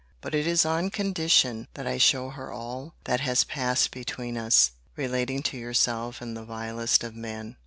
But it is on condition that I show her all that has passed between us, relating to yourself and the vilest of men.